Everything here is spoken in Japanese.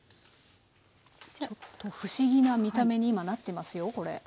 ちょっと不思議な見た目に今なってますよこれ。